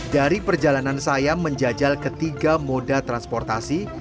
dari perjalanan saya menjajal ketiga moda transportasi